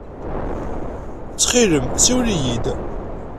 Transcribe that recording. Ttxil-m, ssiwel yid-i.